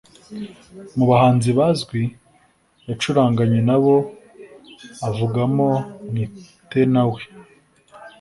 Mu bahanzi bazwi yacuranganye na bo avugamo Mwitenawe